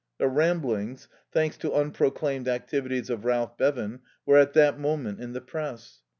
The Ramblings, thanks to unproclaimed activities of Ralph Bevan, were at that moment in the press.